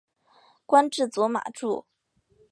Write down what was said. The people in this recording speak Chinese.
官至左马助。